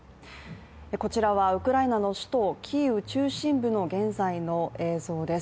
こちらはウクライナの首都キーウ中心部の現在の映像です。